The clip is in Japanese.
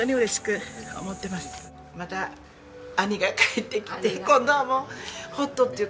また兄が帰ってきて今度はもうホッとというか。